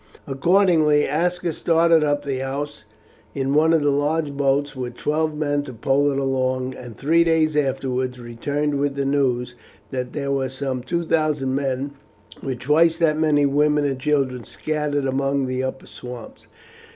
Accordingly Aska started up the Ouse in one of the large boats with twelve men to pole it along, and three days afterwards returned with the news that there were some two thousand men with twice that many women and children scattered among the upper swamps.